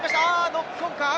ノックオンか？